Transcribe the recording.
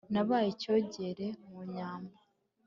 Nabaye icyogere mu nyambo,